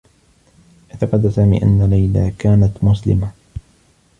اعتقد سامي أنّ ليلى كانت مسلمة.